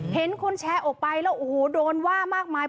เห็นคนแชร์ออกไปแล้วโอ้โหโดนว่ามากมาย